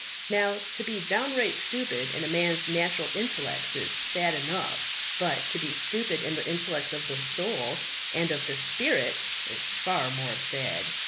Now, to be downright stupid in a man's natural intellects is sad enough, but to be stupid in the intellects of the soul and of the spirit is far more sad.